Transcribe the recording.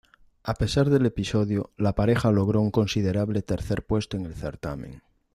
A pesar del episodio, la pareja logró un considerable tercer puesto en el certamen.